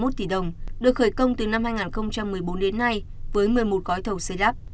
một trăm ba mươi một tỷ đồng được khởi công từ năm hai nghìn một mươi bốn đến nay với một mươi một gói thầu xây đắp